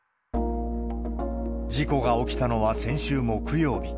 事故が起きたのは先週木曜日。